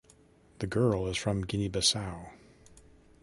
The girl is from Guinea-Bissau.